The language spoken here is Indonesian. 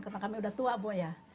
karena kami udah tua bu ya